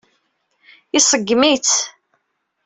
Iṣeggem-itt.